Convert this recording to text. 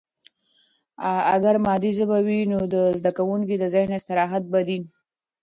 اگر مادي ژبه وي، نو د زده کوونکي د ذهن استراحت به دی.